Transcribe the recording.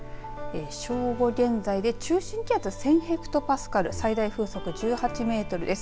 正午現在で中心気圧１０００ヘクトパスカル最大風速１８メートルです。